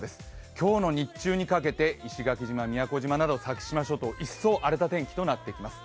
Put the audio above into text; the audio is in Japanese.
今日の日中にかけて石垣島、宮古島など先島諸島、一層、荒れた天気となってきます。